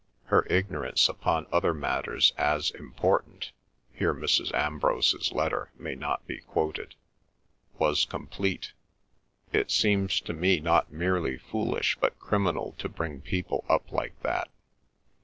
Her ignorance upon other matters as important" (here Mrs. Ambrose's letter may not be quoted) ... "was complete. It seems to me not merely foolish but criminal to bring people up like that.